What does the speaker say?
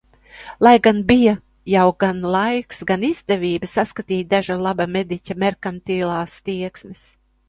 Lai gan bija jau gan laiks, gan izdevība saskatīt daža laba mediķa merkantilās tieksmes.